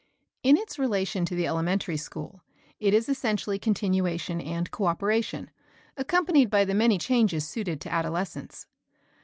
In its relation to the elementary school it is essentially continuation and co operation, accompanied by the many changes suited to adolescence.